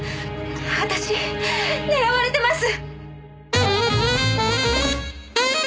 私狙われてます！